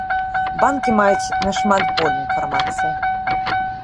Банкі маюць нашмат боль інфармацыі.